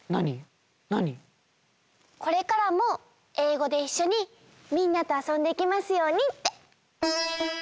これからもえいごでいっしょにみんなとあそんでいけますようにって。